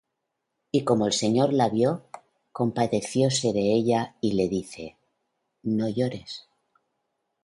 Y como el Señor la vió, compadecióse de ella, y le dice: No llores.